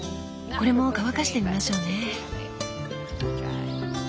これも乾かしてみましょうね。